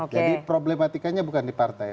jadi problematikanya bukan di partai